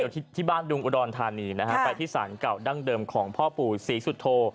ที่บ้านดุงอุดรธานีนะฮะไปที่สารเก่าดั้งเดิมของพ่อปู่ศรีสุโธ